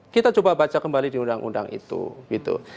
kita coba baca kembali di undang undang itu gitu